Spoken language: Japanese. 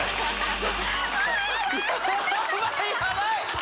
ヤバいヤバい！